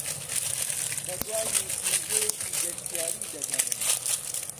بەدوای نووسینگەیەکی گەشتیاری دەگەڕێم.